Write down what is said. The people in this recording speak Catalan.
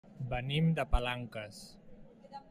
Venim de Palanques.